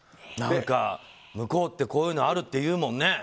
何か、向こうってこういうのあるっていうけどね。